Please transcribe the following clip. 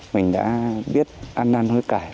mình đã biết ăn ăn hối cải